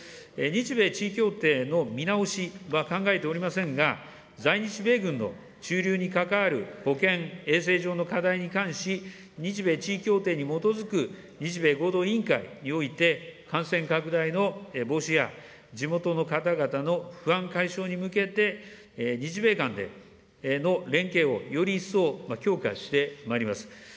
日米地位協定の見直しは考えておりませんが、在日米軍の駐留に関わる保健、衛生上の課題に関し、日米地位協定に基づく日米合同委員会において感染拡大の防止や地元の方々の不安解消に向けて日米間で、日米間の連携をより一層強化してまいります。